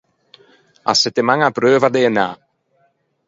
A settemaña apreuvo à Dënâ.